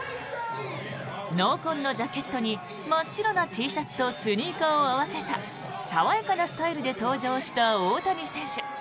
濃紺のジャケットに真っ白なＴシャツとスニーカーを合わせた爽やかなスタイルで登場した大谷選手。